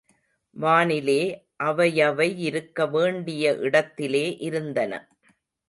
வானிலே அவையவையிருக்க வேண்டிய இடத்திலே இருந்தன.